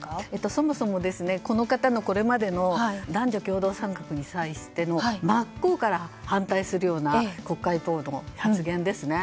そもそも、この方のこれまでの男女共同参画に際しての真っ向から反対するような国会等での発言ですね。